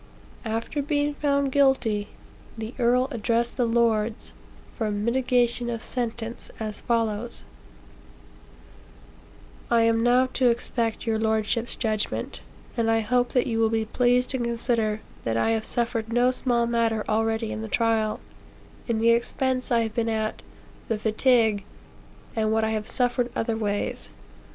After being found guilty, the earl addressed the lords, for a mitigation of sentence, as follows: "I am now to expect your lordships' judgment; and I hope that you will be pleased to consider that I have suffered no small matter already in the trial, in the expense I have been at, the fatigue, and what I have suffered otherways.